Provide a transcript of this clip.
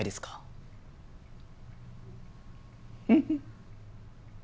フフッ。